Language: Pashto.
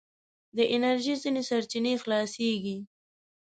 د انرژي ځينې سرچينې خلاصیږي.